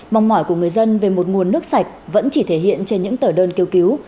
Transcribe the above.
mong mỏi của người dân về một nguồn nước sạch vẫn chỉ thể hiện trên những tờ đơn kêu cứu